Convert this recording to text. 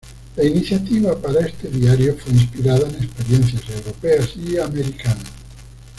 La iniciativa para este diario fue inspirada en experiencias europeas y americanas.